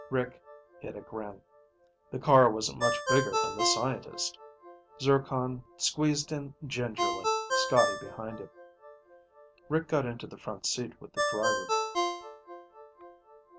Rick hid a grin. The car wasn't much bigger than the scientist. Zircon squeezed in gingerly, Scotty behind him. Rick got into the front seat with the driver.